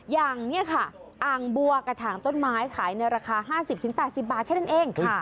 อย่างนี้ค่ะอ่างบัวกระถางต้นไม้ขายในราคา๕๐๘๐บาทแค่นั้นเอง